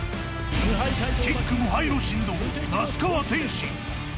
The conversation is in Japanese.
キック無敗の神童・那須川天心。